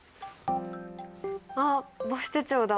あっ母子手帳だ。